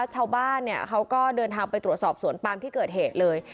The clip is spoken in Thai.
ชาวบ้านเขาก็เดินทางไปตรวจสอบสวนปามที่เกิดเหตุเลย